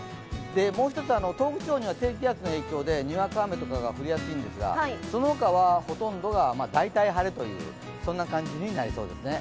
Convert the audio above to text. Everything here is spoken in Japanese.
もう一つ、東北地方には低気圧の影響で、にわか雨とかが降りやすいんですが、そのほかはほとんどが大体晴れという感じになりそうですね。